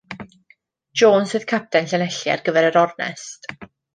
Jones oedd capten Llanelli ar gyfer yr ornest.